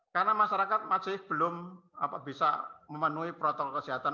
karena masyarakat masih belum bisa memenuhi protokol kesehatan